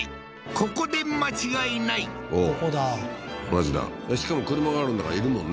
ここで間違いないここだ同じだしかも車があるんだからいるもんね